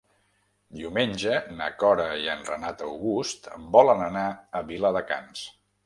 Diumenge na Cora i en Renat August volen anar a Viladecans.